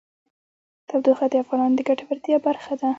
تودوخه د افغانانو د ګټورتیا برخه ده.